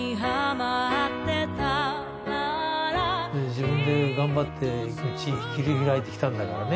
自分で頑張って道切り開いてきたんだからね